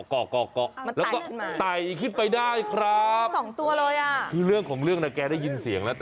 แล้วก็ไตขึ้นไปได้ครับ